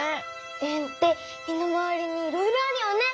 円って身の回りにいろいろあるよね。